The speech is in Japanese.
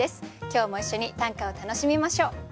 今日も一緒に短歌を楽しみましょう。